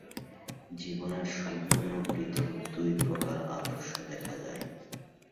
জীবনের সম্পূর্ণ পৃথক দুই প্রকার আদর্শ দেখা যায়।